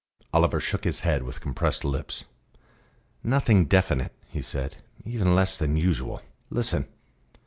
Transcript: Oliver shook his head, with compressed lips. "Nothing definite," he said. "Even less than usual. Listen."